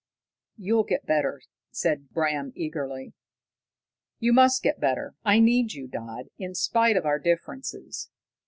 "You'll get better," said Bram eagerly. "You must get better. I need you, Dodd, in spite of our differences.